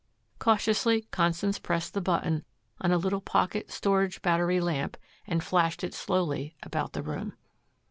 Cautiously Constance pressed the button on a little pocket storage battery lamp and flashed it slowly about the room.